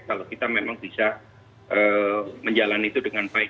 kalau kita memang bisa menjalani itu dengan baik